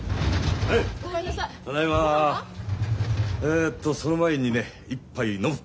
えっとその前にね一杯飲む。